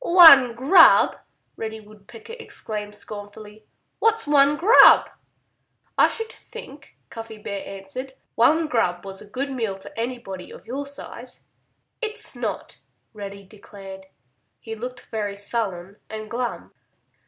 "One grub!" Reddy Woodpecker exclaimed scornfully. "What's one grub?" "I should think," Cuffy Bear answered, "one grub was a good meal for anybody of your size." "It's not," Reddy declared. He looked very sullen and glum.